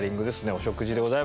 お食事でございます。